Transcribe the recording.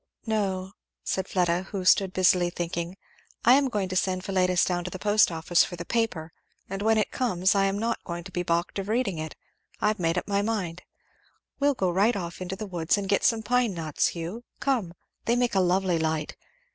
'" "No," said Fleda, who had stood busily thinking, "I am going to send Philetus down to the post office for the paper, and when it comes I am not to be balked of reading it I've made up my mind! We'll go right off into the woods and get some pine knots, Hugh come! They make a lovely light.